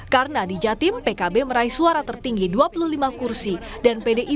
karena di jatim pkb meraih suara tertinggi dua puluh lima kursi dan pdip dua puluh satu kursi